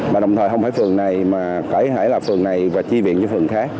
và đồng thời không phải phường này mà phải là phường này và chi viện cho phường khác